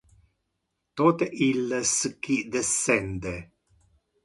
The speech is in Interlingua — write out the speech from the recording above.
Tote illes qui descende.